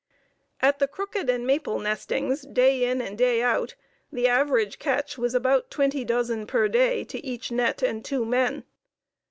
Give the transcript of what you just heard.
At the Crooked and Maple nestings day in and day out the average catch was about twenty dozen per day to each net and two men.